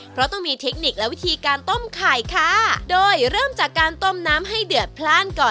เพราะต้องมีเทคนิคและวิธีการต้มไข่ค่ะโดยเริ่มจากการต้มน้ำให้เดือดพลาดก่อน